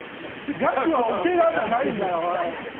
ガクはオケラじゃないんだよ